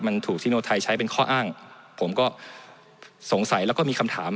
มันถูกซิโนไทยใช้เป็นข้ออ้างผมก็สงสัยแล้วก็มีคำถาม